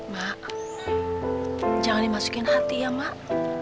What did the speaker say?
mak jangan dimasukin hati ya mak